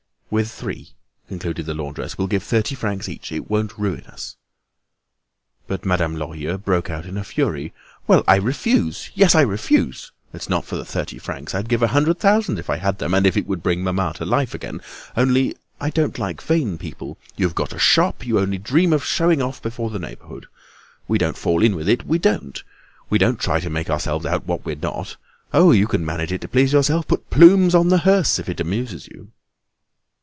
"We're three," concluded the laundress. "We'll give thirty francs each. It won't ruin us." But Madame Lorilleux broke out in a fury. "Well! I refuse, yes, I refuse! It's not for the thirty francs. I'd give a hundred thousand, if I had them, and if it would bring mamma to life again. Only, I don't like vain people. You've got a shop, you only dream of showing off before the neighborhood. We don't fall in with it, we don't. We don't try to make ourselves out what we are not. Oh! you can manage it to please yourself. Put plumes on the hearse if it amuses you."